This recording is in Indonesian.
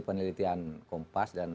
penelitian kompas dan